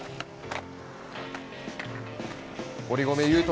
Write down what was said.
堀米雄斗